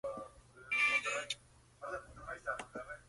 Su ciudad capital es la ciudad de Zanzíbar.